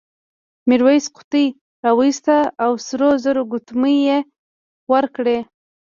میرويس قوطۍ راوایستې او سرو زرو ګوتمۍ یې ورکړې.